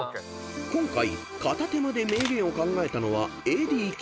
［今回片手間で名言を考えたのは］